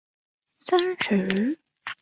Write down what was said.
殷栗线